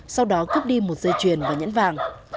sau đó cướp đi một dây chuyền và nhẫn vàng